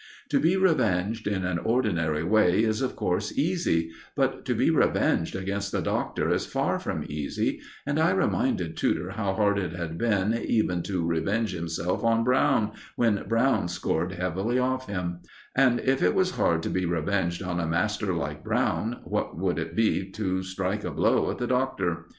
To be revenged in an ordinary way is, of course, easy; but to be revenged against the Doctor is far from easy, and I reminded Tudor how hard it had been even to revenge himself on Brown, when Brown scored heavily off him; and if it was hard to be revenged on a master like Brown, what would it be to strike a blow at the Doctor?